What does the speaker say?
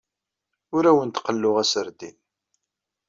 Ur awen-d-qelluɣ aserdin.